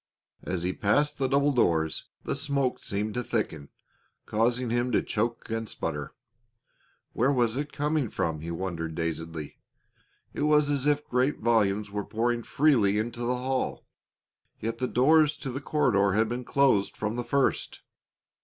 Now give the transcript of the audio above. As he passed the double doors the smoke seemed to thicken, causing him to choke and sputter. Where was it coming from, he wondered dazedly. It was as if great volumes were pouring freely into the hall, yet the doors to the corridor had been closed from the first.